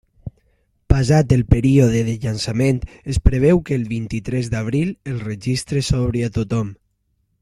Passat el període de llançament, es preveu que el vint-i-tres d'abril, el registre s'obri a tothom.